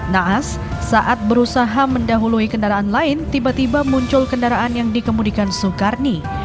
naas saat berusaha mendahului kendaraan lain tiba tiba muncul kendaraan yang dikemudikan soekarni